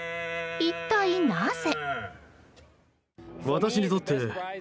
一体、なぜ？